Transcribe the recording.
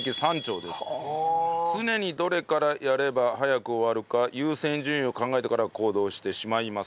常にどれからやれば早く終わるか優先順位を考えてから行動してしまいます。